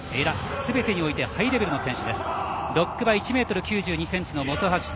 すべてにおいてハイレベルな選手。